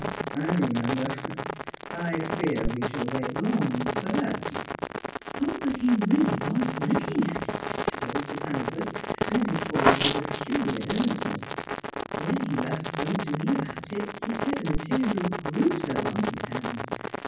Ah, I remember. I fear we shall wait long for that." "But he really was working at it," said Mrs. Hannaford, bending forward with a peculiar earnestness. "When he last spoke to me about it, he said the material grew so on his hands.